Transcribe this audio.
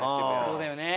そうだよね。